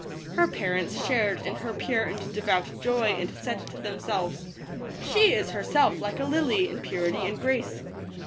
H Her parents shared in her pure and devout joy, and said to themselves, " She is herself like a lily in purity and grace."